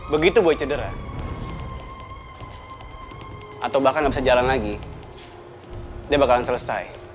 begitu gue cedera atau bahkan nggak bisa jalan lagi dia bakalan selesai